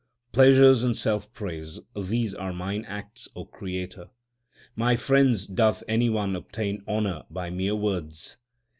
2 Pleasures and self praise these are mine acts, O Creator. My friends, doth any one obtain honour by mere words